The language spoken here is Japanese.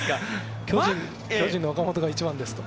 巨人の岡本が一番ですと。